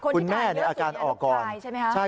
คนที่ไทยเยอะสุดอย่างลูกชายใช่ไหมครับ